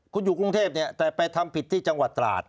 คุณอยู่กรุงเทพเนี่ยแต่ไปทำผิดที่จังหวัดตราด